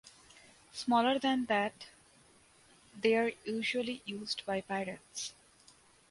Smaller than that they are usually used by pirates.